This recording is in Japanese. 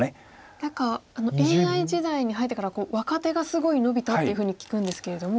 何かＡＩ時代に入ってから若手がすごい伸びたっていうふうに聞くんですけれども。